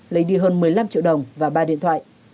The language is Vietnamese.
lấy đi hơn một mươi năm triệu đồng và ba điện thoại